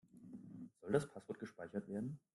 Soll das Passwort gespeichert werden?